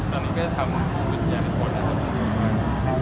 ตอนนี้ก็ทำวิทยาลัยผลนะครับ